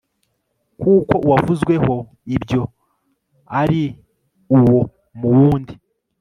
kuko uwavuzweho ibyo ari uwo mu wundi